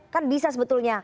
kan bisa sebetulnya